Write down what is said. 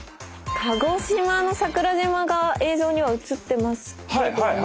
鹿児島の桜島が映像には映ってますけども。